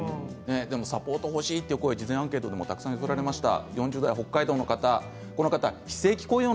サポートが欲しいという声は事前アンケートでもたくさん寄せられました。